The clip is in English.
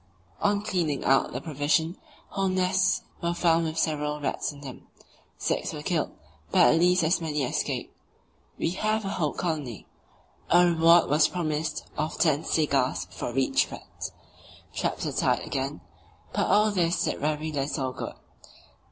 On cleaning out the provision hold nests were found with several rats in them: six were killed, but at least as many escaped, so now no doubt we have a whole colony. A reward was promised of ten cigars for each rat; traps were tried again, but all this did very little good.